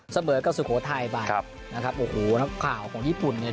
เสมอกับสุโขทัยไปครับนะครับโอ้โหนักข่าวของญี่ปุ่นเนี่ย